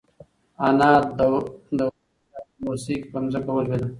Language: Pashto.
انا د وره تر شا په بېوسۍ کې په ځمکه ولوېده.